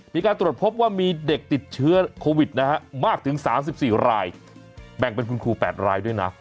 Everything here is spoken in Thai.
มีการตรวจพบว่ามีเด็กติดเชื้อโควิดนะฮะมากถึง๓๔รายแบ่งเป็นคุณครู๘รายด้วยนะ